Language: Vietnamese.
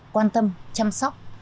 quan tâm chăm sóc